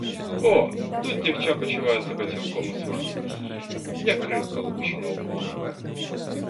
О, тут дівча почуває себе цілком у своїй стихії, як рибка, випущена у воду.